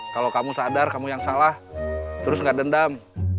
kalau kamu sadar kamu yang salah terus nggak dendam